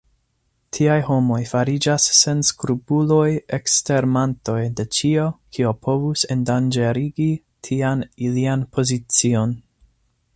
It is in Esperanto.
Tiaj homoj fariĝas senskrupulaj ekstermantoj de ĉio, kio povus endanĝerigi tian ilian pozicion.